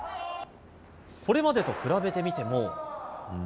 これまでと比べてみても。